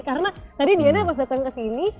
karena tadi diana pas datang ke sini